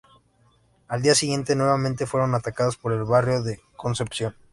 Al día siguiente, nuevamente fueron atacados por el barrio de ""Concepción"".